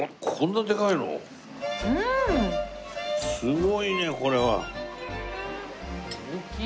すごいねこれは。大きい！